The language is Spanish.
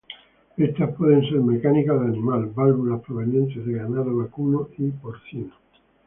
Estas pueden ser mecánicas o de animal, válvulas provenientes de ganado vacuno y porcino.